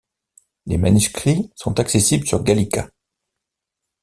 Les manuscrits sont accessibles sur gallica.